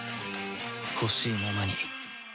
ほしいままに